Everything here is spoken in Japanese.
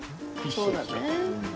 そうだね。